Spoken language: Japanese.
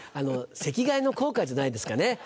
席替えの効果じゃないですかね。